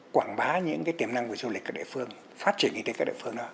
quảng bá những cái tiềm năng của du lịch các địa phương phát triển những cái địa phương đó